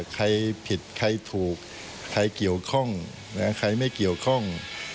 ใครผิดใครถูกใครเกี่ยวข้องใครไม่เกี่ยวข้อง